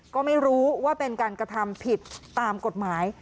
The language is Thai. ก็ไม่รู้ว่าเป็นการกระทำผิดตามกฎหมาย